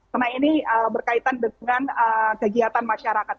karena ini berkaitan dengan kegiatan masyarakat